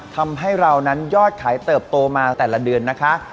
ทำให้เรานั้นยอดขายเติบโตมาแต่ละเดือนนะคะ